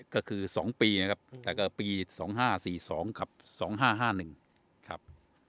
ก็คือ๒ปีนะครับแต่ก็ปี๒๕๔๒ครับ๒๕๕๑ครับ